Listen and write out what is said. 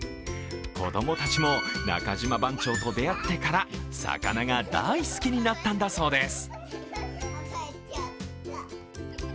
子供たちも、中島番長と出会ってから魚が大好きになったんだそうです。